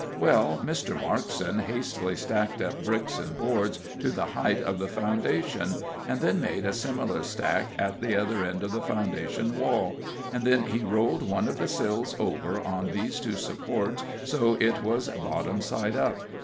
Well, Mr. Markson hastily stacked up bricks and boards to the height of the foundation, and then made a similar stack at the other end of the foundation wall, and then he rolled one of the sills over on these two supports, so it was bottom side up.